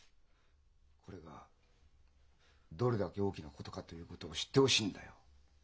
これがどれだけ大きなことかということを知ってほしいんだよ。